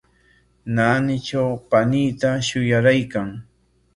Naanitraw paninta shuyaraykan.